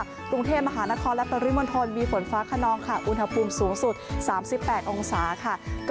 กรุงเทศมหานครและปริมนธนมีฝนฟ้าขนองอุณหภูมิสูงสุด๓๘องศาคลื่นสูง๒๓เมตร